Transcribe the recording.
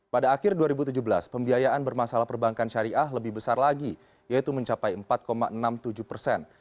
pada akhir dua ribu tujuh belas pembiayaan bermasalah perbankan syariah lebih besar lagi yaitu mencapai empat enam puluh tujuh persen